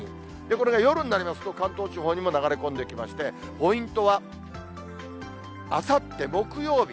これが夜になりますと、関東地方にも流れ込んできまして、ポイントは、あさって木曜日。